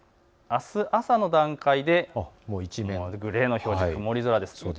あす朝の段階で一面、グレーの表示、曇り空です。